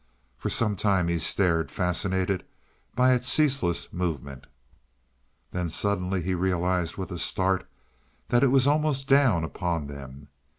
For some time he stared, fascinated by its ceaseless movement. Then suddenly he realized with a start that it was almost down upon them.